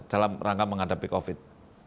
dalam rangka menghadapi covid sembilan belas